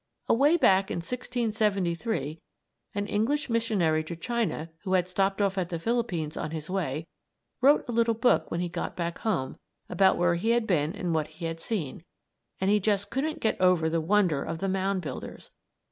Away back in 1673, an English missionary to China who had stopped off at the Philippines, on his way, wrote a little book when he got back home about where he had been and what he had seen, and he just couldn't get over the wonder of the mound builders.